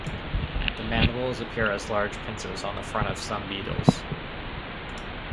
The mandibles appear as large pincers on the front of some beetles.